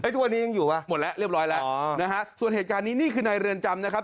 ทุกวันนี้ยังอยู่ว่ะหมดแล้วเรียบร้อยแล้วนะฮะส่วนเหตุการณ์นี้นี่คือในเรือนจำนะครับ